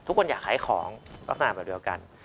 ทุกคนอยากขายของลักษณะแบบเดียวกัน